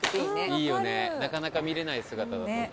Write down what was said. ［いいよねなかなか見れない姿だと思う］